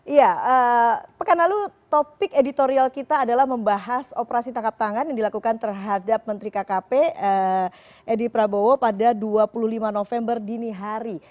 iya pekan lalu topik editorial kita adalah membahas operasi tangkap tangan yang dilakukan terhadap menteri kkp edi prabowo pada dua puluh lima november dini hari